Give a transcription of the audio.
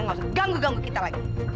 nggak usah ganggu ganggu kita lagi